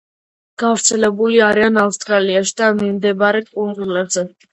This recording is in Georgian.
გავრცელებული არიან ავსტრალიაში და მიმდებარე კუნძულებზე.